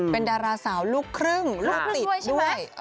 เป็นดาราสาวลูกครึ่งลูกติดด้วย